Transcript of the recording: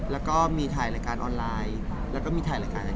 แล้วก็มีถ่ายรายการออนไลน์แล้วก็มีถ่ายรายการอะไร